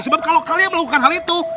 sebab kalau kalian melakukan hal itu